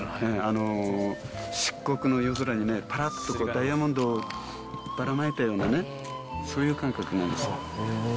漆黒の夜空にぱらっとこう、ダイヤモンドをばらまいたようなね、そういう感覚なんですよ。